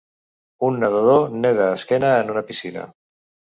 Un nedador neda esquena en una piscina.